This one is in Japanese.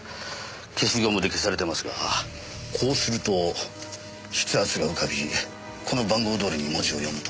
消しゴムで消されてますがこうすると筆圧が浮かびこの番号どおりに文字を読むと。